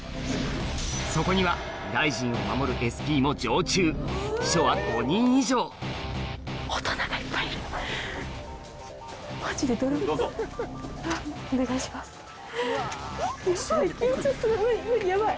そこには大臣を守るＳＰも常駐秘書は５人以上・どうぞ・無理無理ヤバい！